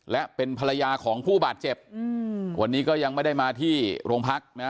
และเป็นภรรยาของผู้บาดเจ็บอืมวันนี้ก็ยังไม่ได้มาที่โรงพักนะฮะ